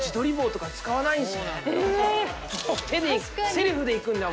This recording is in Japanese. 手でセルフでいくんだ